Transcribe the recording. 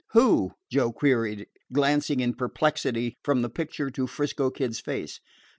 "Who?" Joe queried, glancing in perplexity from the picture to 'Frisco Kid's face.